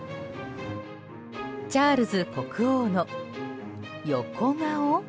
チャールズ国王の横顔？